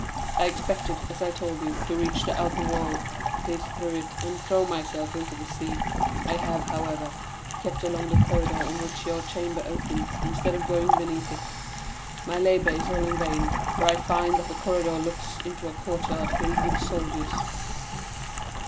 I expected, as I told you, to reach the outer wall, pierce through it, and throw myself into the sea; I have, however, kept along the corridor on which your chamber opens, instead of going beneath it. My labor is all in vain, for I find that the corridor looks into a courtyard filled with soldiers."